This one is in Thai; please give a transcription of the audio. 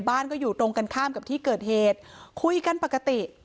บ้านก็อยู่ตรงกันข้ามกับที่เกิดเหตุคุยกันปกติ